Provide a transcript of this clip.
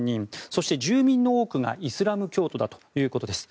そして、住民の多くがイスラム教徒だということです。